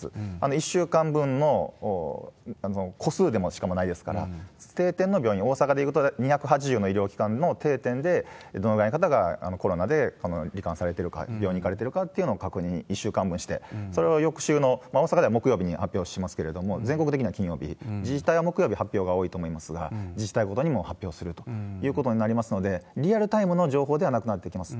１週間分の個数でも、しかもないですから、定点の病院、大阪でいうと２８０の医療機関の定点で、どのくらいの方がコロナでり患されてるか、病院に行かれてるかというのを確認、１週間分して、それを翌週の、大阪では木曜日に発表しますけれども、全国的には金曜日、自治体は木曜日発表が多いと思いますが、自治体ごとにも発表するということになりますので、リアルタイムの情報ではなくなってきます。